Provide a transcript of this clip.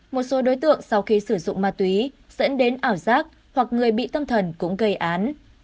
một số đối tượng sau khi sử dụng ma túy dẫn đến ảo giác hoặc người bị tâm thần cũng gây án